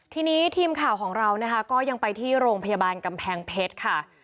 ทีนี้ทีมข่าวของเรานะคะก็ยังไปที่โรงพยาบาลกำแพงเพชรค่ะ